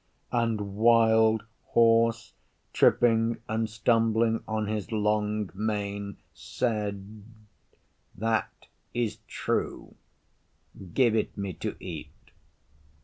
And Wild Horse, tripping and stumbling on his long mane, said, 'That is true; give it me to eat.